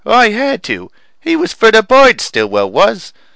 I had to. He was for the birds, Stillwell was.